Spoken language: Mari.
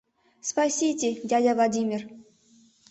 — Спасите, дядя Владимир...